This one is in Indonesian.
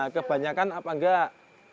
kebanyakan apa enggak